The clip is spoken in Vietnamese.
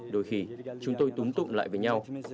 đôi khi chúng tôi túng tụng lại với nhau